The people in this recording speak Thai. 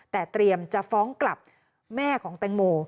แต่เตรียมจะฟ้องกลับแม่ของแตงโม